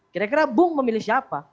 kira kira bung memilih siapa